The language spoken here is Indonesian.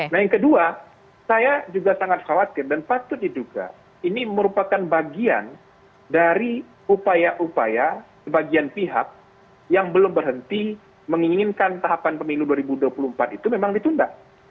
nah yang kedua saya juga sangat khawatir dan patut diduga ini merupakan bagian dari upaya upaya sebagian pihak yang belum berhenti menginginkan tahapan pemilu dua ribu dua puluh empat itu memang ditunda